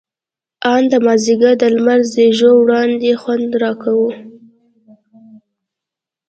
ان د مازديګر د لمر زېړو وړانګو خوند راکاوه.